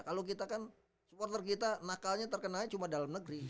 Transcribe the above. kalau kita kan supporter kita nakalnya terkenalnya cuma dalam negeri